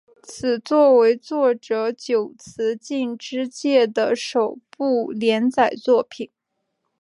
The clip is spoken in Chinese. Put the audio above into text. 此作为作者久慈进之介的首部连载作品。